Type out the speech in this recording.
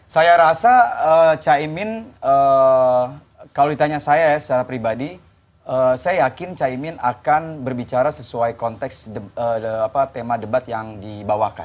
saya rasa caimin kalau ditanya saya ya secara pribadi saya yakin caimin akan berbicara sesuai konteks tema debat yang dibawakan